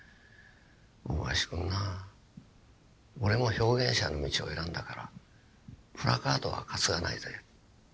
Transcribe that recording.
「大林君な俺も表現者の道を選んだからプラカードは担がないぜ。